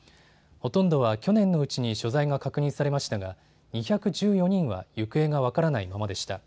ほとんどは去年のうちに所在が確認されましたが２１４人は行方が分からないままでした。